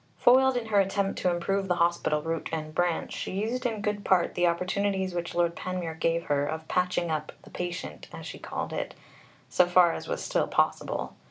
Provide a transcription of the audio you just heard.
Foiled in her attempt to improve the Hospital root and branch, she used in good part the opportunities which Lord Panmure gave her of patching up "the patient," as she called it, so far as was still possible.